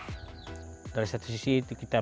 menyambut sektor wisata yang kembali bergairah